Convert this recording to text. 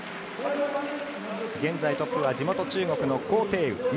現在トップは地元・中国の高亭宇。